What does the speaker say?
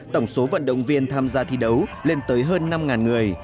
tổng số vận động viên tham gia thi đấu lên tới hơn năm người